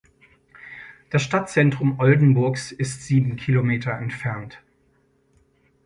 Das Stadtzentrum Oldenburgs ist sieben Kilometer entfernt.